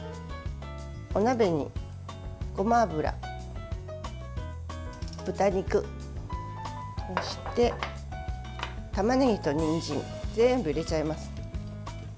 お鍋にごま油、豚肉そして、たまねぎとにんじん全部入れちゃいます。